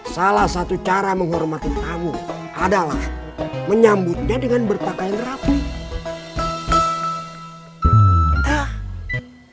salah satu cara menghormati tamu adalah menyambutnya dengan berpakaian rapi